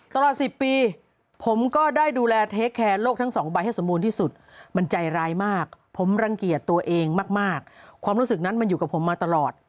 ตลอด๑๐ปีผมก็ได้ดูแลเทคแคร์โลกทั้งสองใบให้สมบูรณ์ที่สุดมันใจร้ายมากผมรังเกียจตัวเองมากความรู้สึกนั้นมันอยู่กับผมมาตลอด